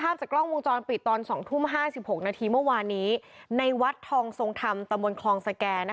ภาพจากกล้องวงจรปิดตอนสองทุ่มห้าสิบหกนาทีเมื่อวานนี้ในวัดทองทรงธรรมตะบนคลองสแกนนะคะ